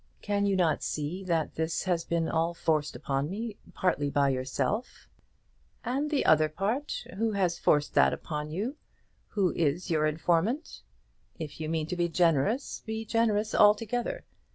Can you not see that this has been all forced upon me, partly by yourself?" "And the other part; who has forced that upon you? Who is your informant? If you mean to be generous, be generous altogether.